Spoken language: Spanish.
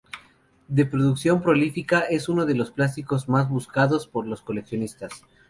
De producción prolífica es uno de los plásticos más buscados por los coleccionistas.